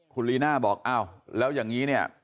คุณลีน่าบอกอ้าวแล้วอย่างนี้เนี่ย